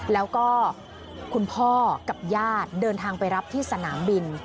แล้วก็คุณพ่อกับญาติเดินทางไปรับที่สนามบิน